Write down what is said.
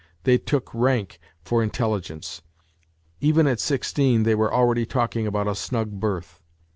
They took rank for intelligence; even at sixteen they were already talking about a snug berth.